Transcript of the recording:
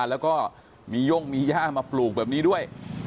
แล้วก็มีย่งมีย่ามาปลูกแบบนี้ด้วย